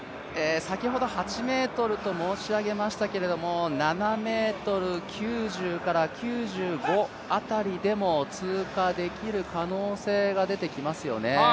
先ほど８ｍと申し上げましたけど、７ｍ９０から９５辺りでも、通過できる可能性が出てきますよね。